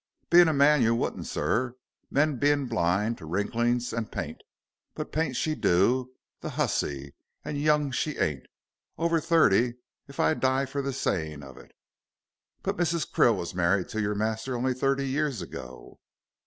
"Being a man you wouldn't, sir, men bein' blind to wrinklings and paint. But paint she do, the hussey, and young she ain't. Over thirty if I die for the sayin' of it." "But Mrs. Krill was married to your master only thirty years ago."